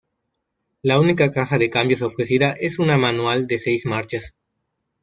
La única caja de cambios ofrecida es una manual de seis marchas.